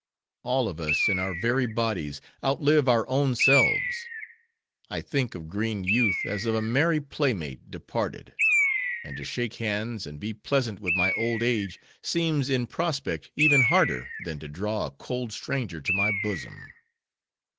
All of us, in our very bodies, outlive our own selves. I think of green youth as of a merry playmate departed; and to shake hands, and be pleasant with my old age, seems in prospect even harder, than to draw a cold stranger to my bosom.